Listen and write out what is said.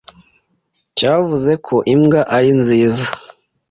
cyavuze ko imbwa ari nziza